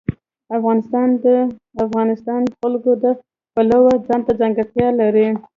افغانستان د د افغانستان جلکو د پلوه ځانته ځانګړتیا لري.